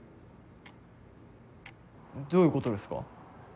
どういうことですか？